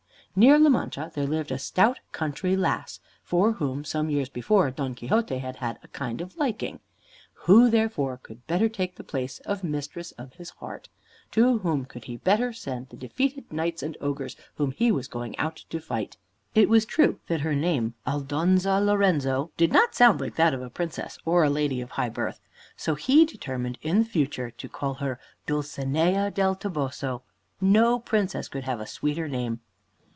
Near La Mancha there lived a stout country lass, for whom some years before Don Quixote had had a kind of liking. Who, therefore, could better take the place of Mistress of his Heart? To whom could he better send the defeated knights and ogres whom he was going out to fight? It was true that her name. Aldonza Lorenzo, did not sound like that of a Princess or lady of high birth; so he determined in future to call her Dulcinea del Toboso. No Princess could have a sweeter name!